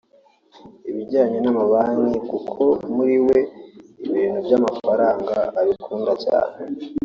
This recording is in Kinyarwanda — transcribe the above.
ibiyanye n’amabanki kuko muri we ibintu by’amafaranga abikunda cyane